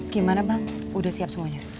gimana bang udah siap semuanya